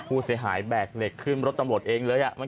ผู้เสียหายแบกเหล็กขึ้นรถตำรวจเองเลย